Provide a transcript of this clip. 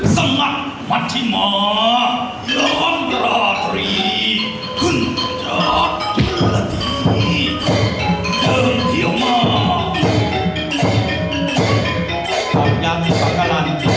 กำลังมีสักกะลันขึ้นมาห้าอาหาร